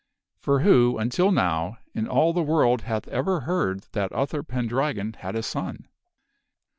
For who, until now, in all the world hath ever heard that Uther Pendragon had a son